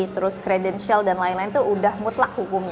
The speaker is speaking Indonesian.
terus credential dan lain lain itu sudah mutlak hukumnya